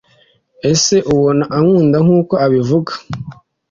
ese ubona ankunda nkuko abivuga